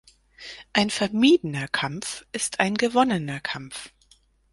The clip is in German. Ein vermiedener Kampf ist ein gewonnener Kampf.